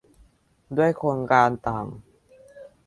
ด้วยโครงการต่าง